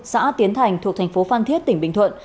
xã tiến thành thuộc tp phan thiết tp bình thuận